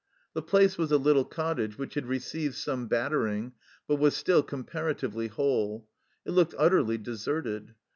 The place was a little cottage, which had received some battering, but was still comparatively whole ; it looked utterly deserted.